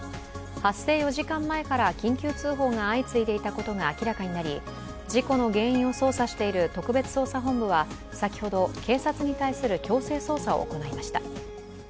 発生４時間前から緊急通報が相次いでいたことが明らかになり事故の原因を捜査している特別捜査本部は先ほど警察に対する強制捜査を行いました。